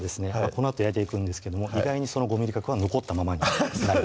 このあと焼いていくんですけども意外にその５ｍｍ角は残ったままになります